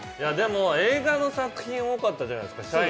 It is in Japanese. でも映画の作品が多かったじゃないですか。